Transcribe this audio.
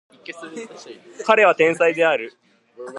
彼は天才である